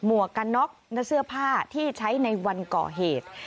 วกกันน็อกและเสื้อผ้าที่ใช้ในวันก่อเหตุ